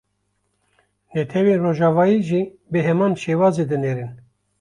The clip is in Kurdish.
Netewên rojavayî jî bi heman şêwazê dinêrin